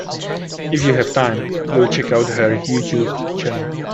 If you have time, go check out her YouTube channel.